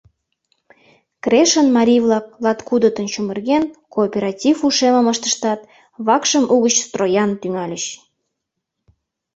Крешын марий-влак, латкудытын чумырген, кооператив ушемым ыштыштат, вакшым угыч строян! тӱҥальыч.